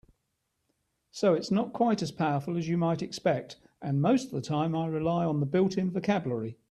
So it's not quite as powerful as you might expect, and most of the time I rely on the built-in vocabulary.